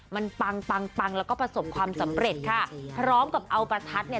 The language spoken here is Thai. มันปังปังปังแล้วก็ประสบความสำเร็จค่ะพร้อมกับเอาประทัดเนี่ย